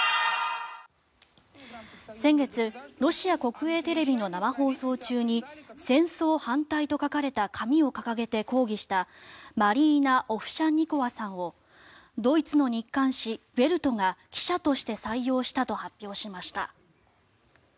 先月ロシア国営テレビの生放送中に戦争反対と書かれた紙を掲げて抗議したマリーナ・オフシャンニコワさんをドイツの日刊紙ヴェルトが記者として採用したと発表しました。